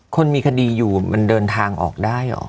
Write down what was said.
คนมีคดีอยู่มันเดินทางออกได้เหรอ